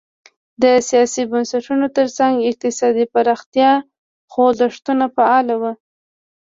د سیاسي بنسټونو ترڅنګ اقتصادي پرمختیا خوځښتونه فعال وو.